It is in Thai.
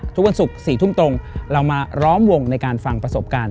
ทุกวันศุกร์๔ทุ่มตรงเรามาล้อมวงในการฟังประสบการณ์